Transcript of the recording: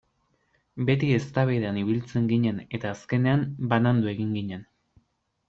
Beti eztabaidan ibiltzen ginen eta azkenean banandu egin ginen.